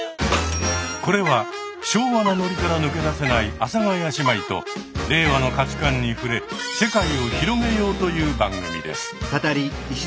これは昭和なノリから抜け出せない阿佐ヶ谷姉妹と令和の価値観に触れ世界を広げようという番組です。